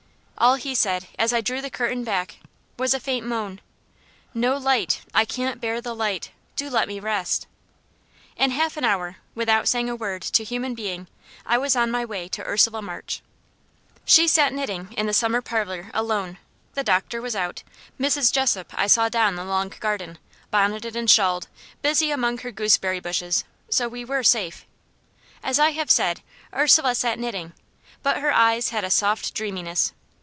All he said, as I drew the curtain back, was a faint moan "No light! I can't bear the light! Do let me rest!" In half an hour, without saying a word to human being, I was on my way to Ursula March. She sat knitting in the summer parlour alone. The doctor was out; Mrs. Jessop I saw down the long garden, bonnetted and shawled, busy among her gooseberry bushes so we were safe. As I have said, Ursula sat knitting, but her eyes had a soft dreaminess.